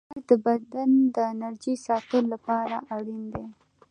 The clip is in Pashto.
• لمر د بدن د انرژۍ ساتلو لپاره اړین دی.